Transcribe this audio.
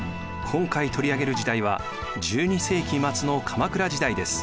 今回取り上げる時代は１２世紀末の鎌倉時代です。